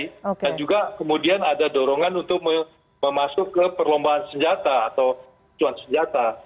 dan juga kemudian ada dorongan untuk memasuk ke perlombaan senjata atau tuan senjata